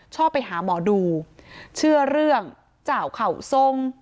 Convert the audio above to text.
ชอบไปหาหมอดูเชื่อเรื่องเจ้าเข่าทรง